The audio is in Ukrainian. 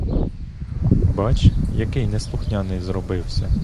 Бач, який неслухняний зробився.